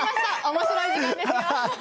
面白い時間ですよ。